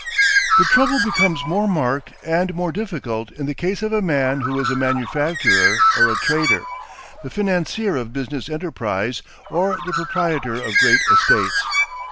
The trouble becomes more marked and more difficult in the case of a man who is a manufacturer or a trader, the financier of business enterprise or the proprietor of great estates.